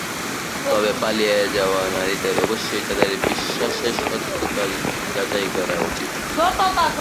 তবে, পালিয়ে যাওয়া নারীদের অবশ্যই তাদের বিশ্বাসের সত্যতা যাচাই করা উচিত।